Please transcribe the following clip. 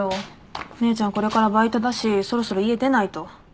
姉ちゃんこれからバイトだしそろそろ家出ないと。